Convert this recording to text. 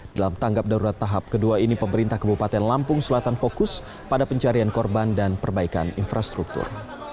dalam tanggap darurat tahap kedua ini pemerintah kabupaten lampung selatan fokus pada pencarian korban dan perbaikan infrastruktur